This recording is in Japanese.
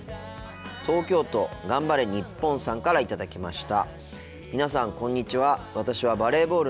東京都がんばれニッポンさんから頂きました。